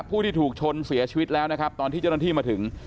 ผู้ที่ถูกชนเสียชีวิตแล้วนะครับตอนที่เจ้าหน้าที่มาถึง